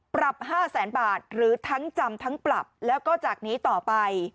ปรับ๕แสนบาทหรือทั้งจำทั้งปรับแล้วก็จากนี้ต่อไป